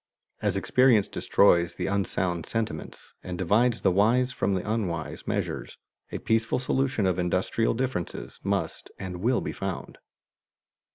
As experience destroys the unsound sentiments, and divides the wise from the unwise measures, a peaceable solution of industrial differences must and will be found.